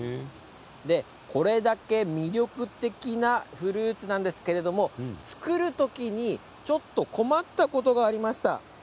これだけ魅力的なフルーツなんですけど作る時にちょっと困ったことがありました。